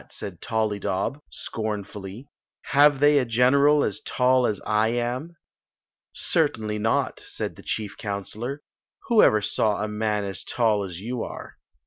" said Tollydob, scorn fully; "have they a general as tall as I am?" Queen Zixi of Ix; or, the "Certainly not," said the chief counselor. "Who ever saw a man as tall as you are?"